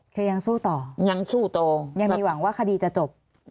คือยังสู้ต่อยังสู้โตยังมีหวังว่าคดีจะจบ